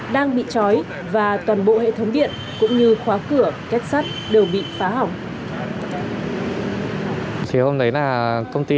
đang bị trói và toàn bộ hệ thống điện cũng như khóa cửa kết sắt đều bị phá hỏng